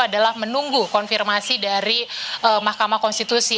adalah menunggu konfirmasi dari mahkamah konstitusi